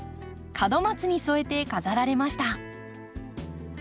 門松に添えて飾られました。